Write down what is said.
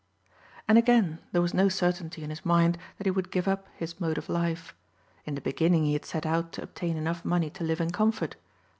And again, there was no certainty in his mind that he would give up his mode of life. In the beginning he had set out to obtain enough money to live in comfort.